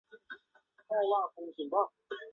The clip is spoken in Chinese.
有明是东京都江东区的地名。